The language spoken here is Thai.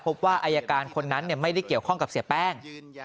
พบว่าอายการคนนั้นไม่ได้เกี่ยวข้องกับเสียแป้ง